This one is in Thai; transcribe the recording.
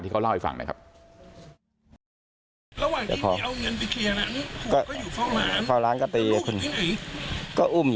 เดี๋ยวลองฟังเสียง